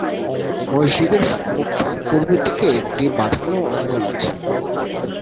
মসজিদের সম্মুখে পূর্বদিকে একটি বাঁধানো অঙ্গন আছে।